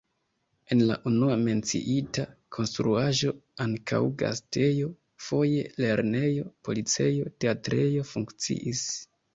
En la unua menciita konstruaĵo ankaŭ gastejo, foje lernejo, policejo, teatrejo funkciis.